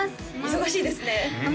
忙しいですねあっ